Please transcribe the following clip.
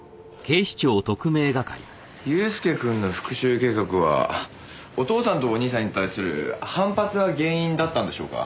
祐介くんの復讐計画はお父さんとお兄さんに対する反発が原因だったんでしょうか？